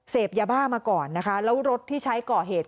เสพยาบ้ามาก่อนนะคะแล้วรถที่ใช้ก่อเหตุ